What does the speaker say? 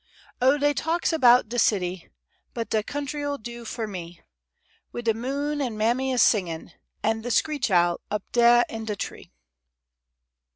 Oh, dey talks about de city, But de country'll do fo' me, Wid de moon, an' mammy a singin' An' de screech owl up dah in de tree.